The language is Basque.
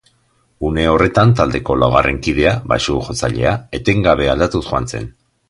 Une horretan taldeko laugarren kidea, baxu-jotzailea, etengabe aldatuz joan zen.